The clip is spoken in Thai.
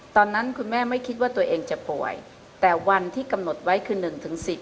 ตอนนั้นคุณแม่ไม่คิดว่าตัวเองจะป่วยแต่วันที่กำหนดไว้คือหนึ่งถึงสิบ